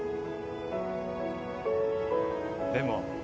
でも。